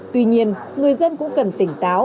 tuy nhiên người dân cũng cần tìm